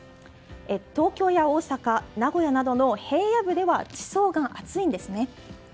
東京や大阪、名古屋などの平野部では地層が厚いんですね。